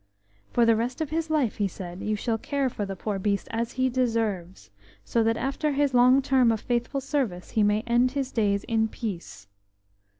"For the rest of his life," he said, "you shall care for the poor beast as he deserves, so that after his long term of faithful service he may end his days in peace."